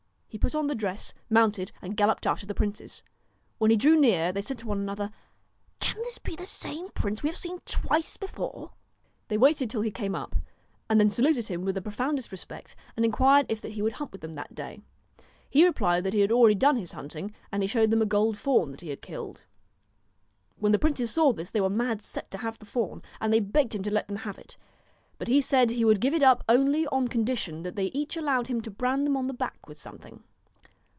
He put on the dress, mounted and galloped after the princes. When he drew near they said to one another :' Can this be the same prince we have seen twice before ?' 143 DON'T They waited till he came up, and then saluted him KNOW with the profoundest respect, and inquired if that he would hunt with them that day. He replied that he had already done his hunting, and he showed a gold fawn that he had killed. When the princes saw this, they were mad set to have the fawn, and they begged him to let them have it ; but he said he would give it up only on condition that they each allowed him to brand them on the back with something.